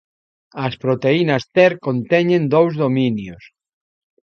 As proteínas Ter conteñen dous dominios.